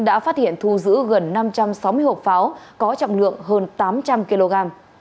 đã phát hiện thu giữ gần năm trăm sáu mươi hộp pháo có trọng lượng hơn tám trăm linh kg